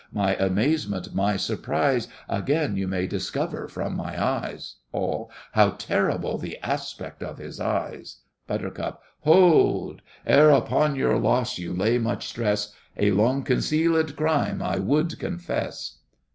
My amazement, my surprise, Again you may discover from my eyes. ALL. How terrible the aspect of his eyes! BUT. Hold! Ere upon your loss You lay much stress, A long concealed crime I would confess.